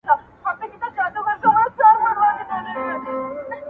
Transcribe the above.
وحشت د انسان دننه پټ دی،